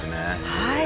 はい。